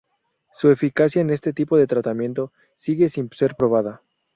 Su eficacia en este tipo de tratamiento sigue sin ser probada.